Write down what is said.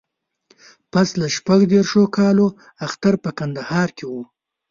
پسله شپږ دیرشو کالو اختر په کندهار کې و.